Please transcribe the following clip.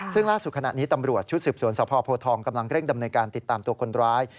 ซึ่งล่าสุดขณะนี้ตำรวจชุดสืบสวนสพโพทองกำลังเร่งดำเนินการติดตามตัวคนร้าย